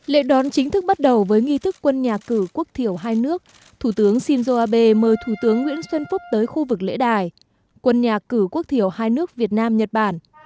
lễ đón chính thức bắt đầu với nghi thức quân nhà cử quốc thiểu hai nước thủ tướng shinzo abe mời thủ tướng nguyễn xuân phúc tới khu vực lễ đài quân nhà cử quốc thiểu hai nước việt nam nhật bản